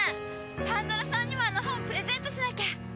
パンドラさんにもあの本プレゼントしなきゃ。